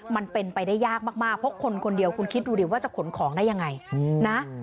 มันเป็นไปได้ยากมากเพราะคนคนเดียวคุณคิดดูดิว่าจะขนของได้ยังไงนะ